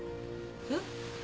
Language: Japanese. えっ？